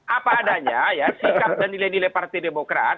apa adanya ya sikap dan nilai nilai partai demokrat